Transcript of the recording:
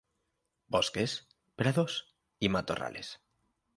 Bosques, prados y matorrales.